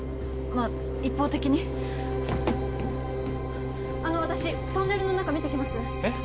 まあ一方的にあの私トンネルの中見てきますえっ？